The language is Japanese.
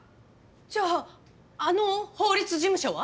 じゃああの法律事務所は？